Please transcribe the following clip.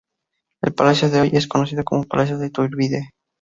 El palacio es hoy conocido como Palacio de Iturbide.